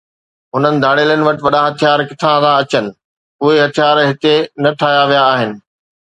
هنن ڌاڙيلن وٽ وڏا هٿيار ڪٿان ٿا اچن، اهي هٿيار هتي نه ٺاهيا ويا آهن